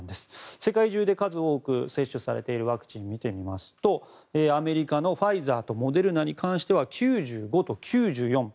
世界中で数多く接種されているワクチンを見ていきますとアメリカのファイザーとモデルナに関しては９５％と９４％。